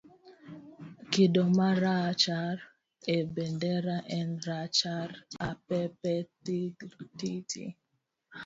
Kido marachar e bandera en rachar. ha . pe pe . thirrr tititi